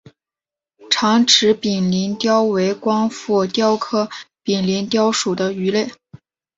长齿柄鳞鲷为光腹鲷科柄鳞鲷属的鱼类。